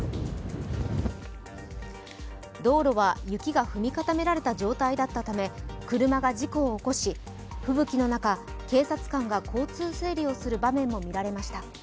道路は雪が踏み固められた状態だったため、車が事故を起こし吹雪の中、警察官が交通整理をする場面も見られました。